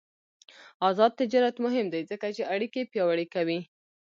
آزاد تجارت مهم دی ځکه چې اړیکې پیاوړې کوي.